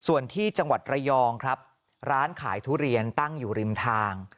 ส่วนที่จังหวัดระยองครับร้านขายทุเรียนตั้งอยู่ริมทาง